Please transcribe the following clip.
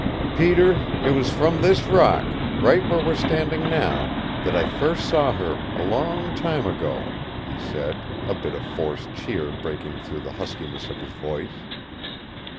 "Peter, it was from this rock right where we're standing now that I first saw her, a long time ago," he said, a bit of forced cheer breaking through the huskiness of his voice.